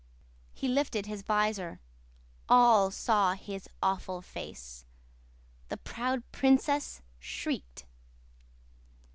"He lifted his visor. All saw his awful face. The proud princess shrieked.